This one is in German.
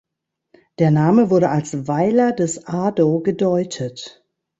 Der Name wurde als „Weiler des Ado“ gedeutet.